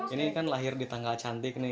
ini kan lahir di tanggal cantik nih